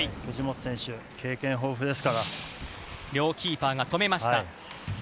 藤本選手、経験豊富ですから両キーパーが止めました。